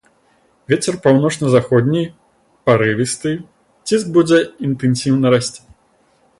Вецер паўночна-заходні парывісты, ціск будзе інтэнсіўна расці.